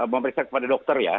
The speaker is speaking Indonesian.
pemeriksa kepada dokter ya